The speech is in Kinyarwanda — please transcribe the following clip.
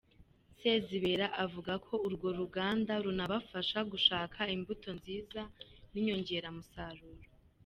Sezibera avuga ko urwo ruganda runabafasha gushaka imbuto nziza n’inyongeramusaruro.